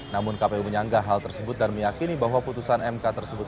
namun kpu menyanggah hal tersebut dan meyakini bahwa putusan mk tersebut